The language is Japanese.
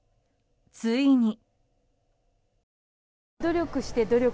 ついに。